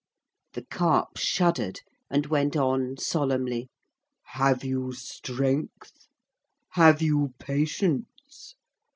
The Carp shuddered and went on solemnly, 'Have you strength? Have you patience?